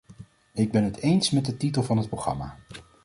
Ik ben het eens met de titel van het programma.